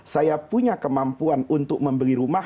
saya punya kemampuan untuk membeli rumah